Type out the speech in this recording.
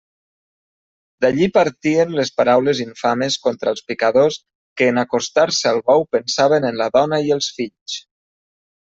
D'allí partien les paraules infames contra els picadors que en acostar-se al bou pensaven en la dona i els fills.